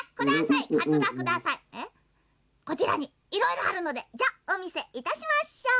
「こちらにいろいろあるのでおみせいたしましょう。